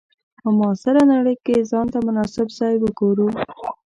په معاصره نړۍ کې ځان ته مناسب ځای وګورو.